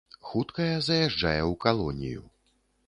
Хуткая заязджае ў калонію.